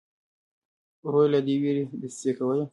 ورور یې له دې وېرې دسیسې کولې.